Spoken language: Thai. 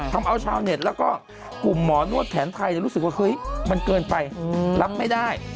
ทำเอาชาวเน็ตแล้วก็กลุ่มหมอนวดแผนไทยรู้สึกว่าเฮ้ยมันเกินไปรับไม่ได้